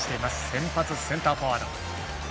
先発センターフォワード。